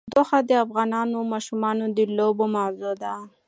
تودوخه د افغان ماشومانو د لوبو موضوع ده.